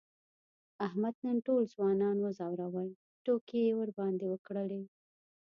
احمد نن ټول ځوانان و ځورول، ټوکې یې ورباندې وکړلې.